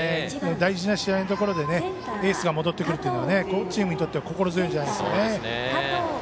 大事な試合のところでエースが戻ってくるというのはこのチームにとったら心強いんじゃないですかね。